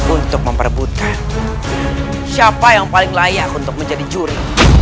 untuk memperbutkan siapa yang paling layak untuk menjadi juri